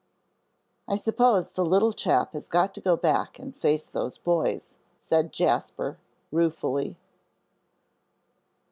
"I suppose the little chap has got to go back and face those boys," said Jasper, ruefully.